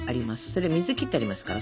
それ水切ってありますから。